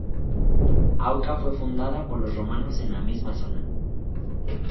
Auca fue fundada por los romanos en la misma zona.